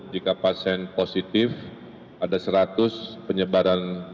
jika pasien positif ada seratus penyebaran